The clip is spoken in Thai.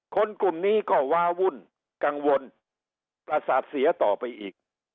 คนกลุ่มนี้ก็ว้าวุ่นกังวลประสาทเสียต่อไปอีก